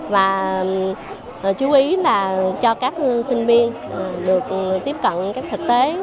và chú ý là cho các sinh viên được tiếp cận những thực tế